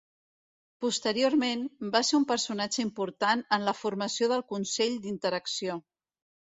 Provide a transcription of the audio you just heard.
Posteriorment, va ser un personatge important en la formació del Consell d'Interacció.